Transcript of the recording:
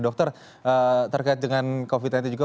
dokter terkait dengan covid sembilan belas juga